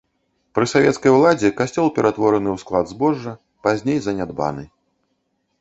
Пры савецкай уладзе касцёл ператвораны ў склад збожжа, пазней занядбаны.